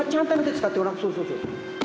そうそうそう。